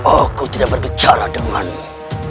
aku tidak berbicara denganmu